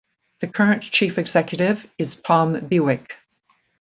The current chief executive is Tom Bewick.